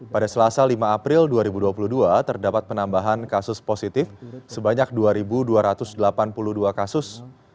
pada selasa lima april dua ribu dua puluh dua terdapat penambahan kasus positif sebanyak dua dua ratus delapan puluh dua kasus